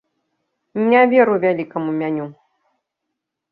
Не веру вялікаму меню.